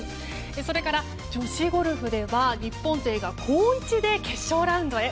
それから女子ゴルフでは日本勢が好位置で決勝ラウンドへ。